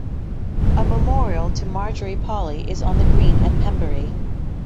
A memorial to Margery Polly is on the green at Pembury.